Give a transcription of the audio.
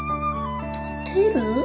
立てる？